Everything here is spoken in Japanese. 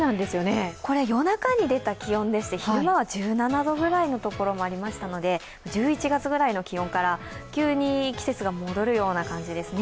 これ、夜中に出た気温でして、昼間は１７度くらいの所もありましたので１１月ぐらいの気温から急に季節が戻るような感じですね。